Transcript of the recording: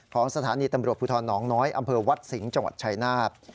ของสถานีตำรวจภูทรหนองน้อยอำเภอวัดสิงห์จังหวัดชายนาฏ